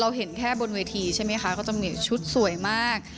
เห็นแค่บนเวทีใช่ไหมคะก็จะมีชุดสวยมาก